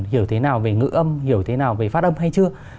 hiểu thế nào về ngữ âm hiểu thế nào về phát âm hay chưa